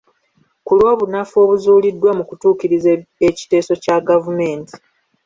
Ku lw'obunafu obuzuuliddwa mu kutuukiriza ekiteeso kya gavumenti.